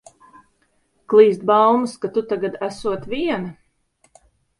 Klīst baumas, ka tu tagad esot viena.